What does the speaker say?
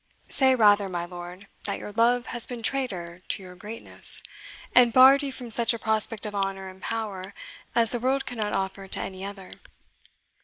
"Say rather, my lord, that your love has been traitor to your greatness, and barred you from such a prospect of honour and power as the world cannot offer to any other.